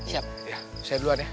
saya duluan ya